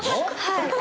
はい。